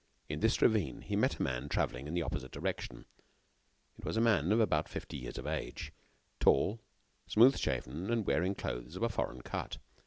In this ravine, he met a man traveling in the opposite direction. It was a man about fifty years of age, tall, smooth shaven, and wearing clothes of a foreign cut.